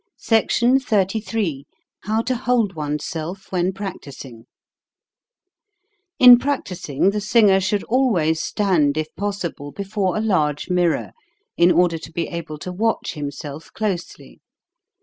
SECTION XXXIII HOW TO HOLD ONE*S SELF WHEN PRACTISING IN practising the singer should always stand, if possible, before a large mirror, in order to be able to watch himself closely.